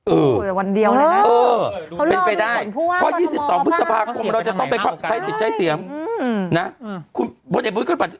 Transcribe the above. อืออือเป็นไปได้ข้อ๒๒พฤษภาคมเราจะต้องไปใช้เสียงนะพไอบุริกันบันดิ์